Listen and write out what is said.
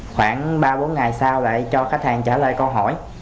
khoảng ba bốn ngày sau lại cho khách hàng trả lời câu hỏi